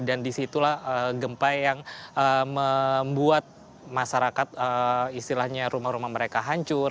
disitulah gempa yang membuat masyarakat istilahnya rumah rumah mereka hancur